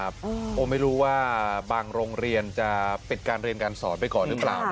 ผมไม่รู้ว่าบางโรงเรียนจะปิดการเรียนการสอนไปก่อนหรือเปล่า